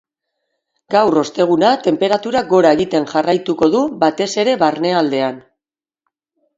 Gaur, osteguna, tenperaturak gora egiten jarraituko du, batez ere barnealdean.